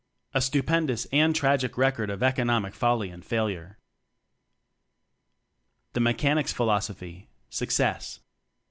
A stupendous and tragic record of "Economic" folly and failure!. The Mechanic's Philosophy Success.